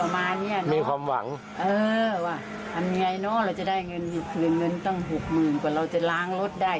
มีความหวัง